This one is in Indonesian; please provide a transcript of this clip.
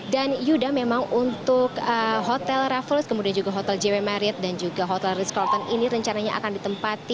dan yuda memang untuk hotel raffles kemudian juga hotel jw marriott dan juga hotel ritz carlton ini rencananya akan ditempati